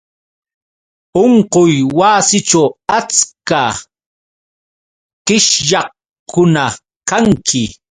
Unquywasićhu achka qishyaqkuna kanki